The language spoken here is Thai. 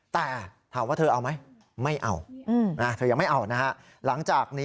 แต่ถามว่าเธอเอาไหมไม่เอาเธอยังไม่เอานะฮะ